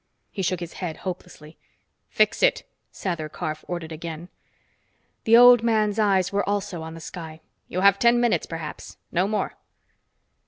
He shook his head hopelessly. "Fix it!" Sather Karf ordered again. The old man's eyes were also on the sky. "You have ten minutes, perhaps no more."